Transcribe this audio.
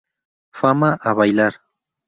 Fama ¡a bailar!